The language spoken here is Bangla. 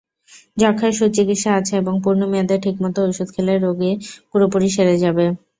যক্ষ্মার সুচিকিৎসা আছে এবং পূর্ণ মেয়াদে ঠিকমতো ওষুধ খেলে রোগ পুরোপুরি সেরে যাবে।